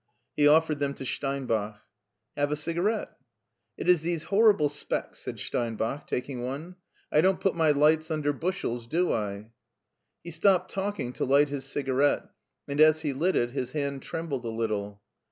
He offered them to Steinbach. " Have a cigarette." " It is these horrible specs," said Steinbach, taking one. "I don't put my lights under bushels, do I?" He stopped talking to light his cigarette, and as he lit it his hand trembled a little.